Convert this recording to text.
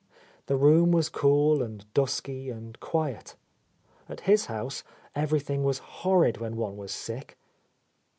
The room was cool and dusky and quiet. At his house everything was horrid when one was sick.